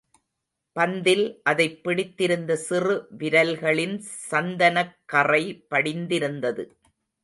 பந்தில் அதைப் பிடித்திருந்த சிறு விரல்களின் சந்தனக் கறை படிந்திருந்தது.